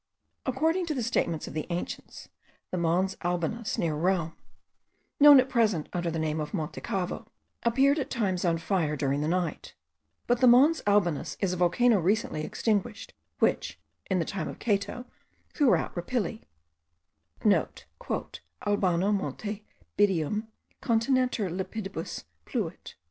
According to the statements of the ancients, the Mons Albanus, near Rome, known at present under the name of Monte Cavo, appeared at times on fire during the night; but the Mons Albanus is a volcano recently extinguished, which, in the time of Cato, threw out rapilli;* (* "Albano monte biduum continenter lapidibus pluit."